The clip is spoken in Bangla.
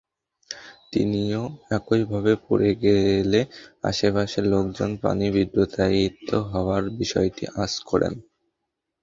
তিনিও একইভাবে পড়ে গেলে আশপাশের লোকজন পানি বিদ্যুতায়িত হওয়ার বিষয়টি আঁচ করেন।